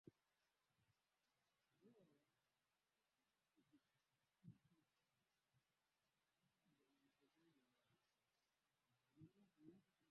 ini haikuwa bahati yake kama unavyofahamu kifo